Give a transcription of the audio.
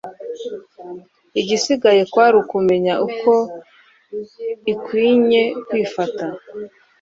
Igisigaye kwari ukumenya uko ikwinye kwifata.